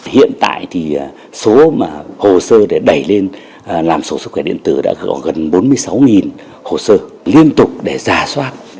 hiện tại thì số hồ sơ để đẩy lên làm sổ sức khỏe điện tử đã có gần bốn mươi sáu hồ sơ liên tục để giả soát